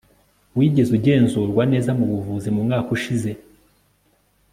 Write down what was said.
wigeze ugenzurwa neza mubuvuzi mu mwaka ushize